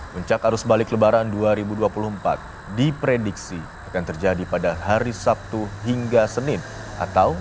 guncak arus balik lebaran dua ribu dua puluh empat diprediksi akan terjadi pada hari sabtu hingga senin atau tiga belas lima belas april dua ribu dua puluh empat